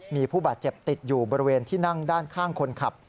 มีผู้บาดเจ็บติดอยู่บริเวณที่นั่งด้านข้างคนขับ